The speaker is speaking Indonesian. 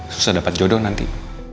susah dapet jodoh nanti